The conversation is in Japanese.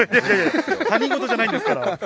他人事じゃないですから。